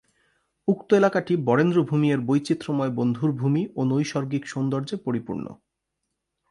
উক্ত এলাকাটি বরেন্দ্র ভূমি এর বৈচিত্রময় বন্ধুর ভূমি ও নৈসর্গিক সৌন্দর্যে পরিপূর্ণ।